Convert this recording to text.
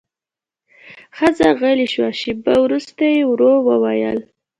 ښځه غلې شوه، شېبه وروسته يې ورو وويل: